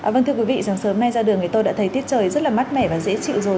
vâng thưa quý vị sáng sớm nay ra đường thì tôi đã thấy tiết trời rất là mát mẻ và dễ chịu rồi